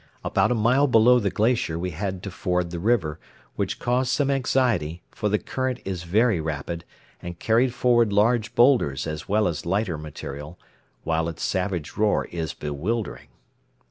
About a mile below the glacier we had to ford the river, which caused some anxiety, for the current is very rapid and carried forward large boulders as well as lighter material, while its savage roar is bewildering.